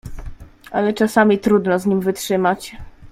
"Ale czasami trudno z nim wytrzymać."